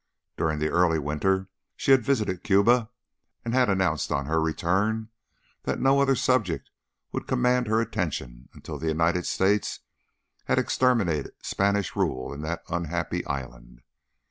During the early winter she had visited Cuba and had announced upon her return that no other subject would command her attention until the United States had exterminated Spanish rule in that unhappy island.